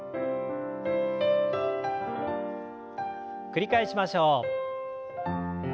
繰り返しましょう。